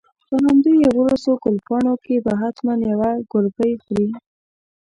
په همدې يوولسو ګلپيانو کې به حتما يوه ګلپۍ خورې.